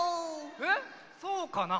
えっそうかな？